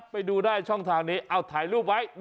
ไปดูได้ช่องทางนี้เอาถ่ายรูปไว้